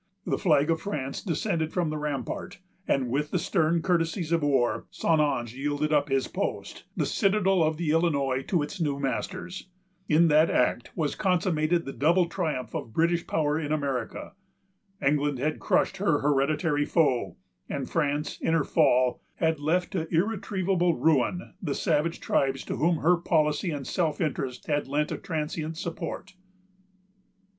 The flag of France descended from the rampart; and with the stern courtesies of war, St. Ange yielded up his post, the citadel of the Illinois, to its new masters. In that act was consummated the double triumph of British power in America. England had crushed her hereditary foe; and France, in her fall, had left to irretrievable ruin the savage tribes to whom her policy and self interest had lent a transient support.